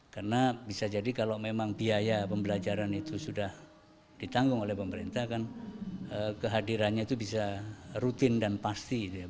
karena bisa jadi kalau memang biaya pembelajaran itu sudah ditanggung oleh pemerintah kan kehadirannya itu bisa rutin dan pasti